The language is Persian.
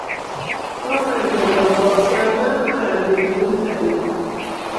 تا پنجره را باز کردم پرنده بیرون پرید.